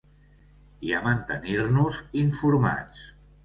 I a mantenir-nos informats